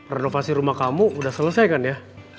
renovasi rumah kamu sudah selesai kan ya